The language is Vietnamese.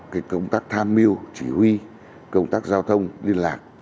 cái công tác tham mưu chỉ huy công tác giao thông liên lạc